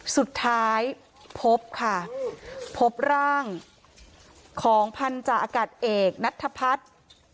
สุดท้ายพบค่ะพบร่างของพันธาอากาศเอกนัทธพัฒน์